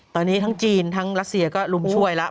ตอนนี้ทั้งจีนทั้งรัสเซียก็ลุมช่วยแล้ว